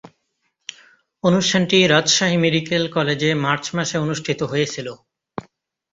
অনুষ্ঠানটি রাজশাহী মেডিকেল কলেজে মার্চ মাসে অনুষ্ঠিত হয়েছিলো।